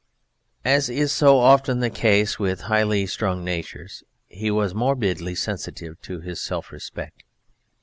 As is so often the case with highly strung natures, he was morbidly sensitive in his self respect.